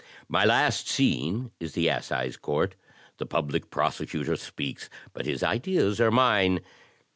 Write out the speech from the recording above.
My last scene is the assize court. The public prosecutor speaks, but his ideas are mine.